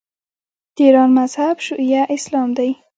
د ایران مذهب شیعه اسلام دی.